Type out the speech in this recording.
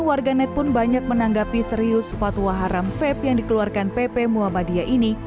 warganet pun banyak menanggapi serius fatwa haram veb yang dikeluarkan pp muhammadiyah ini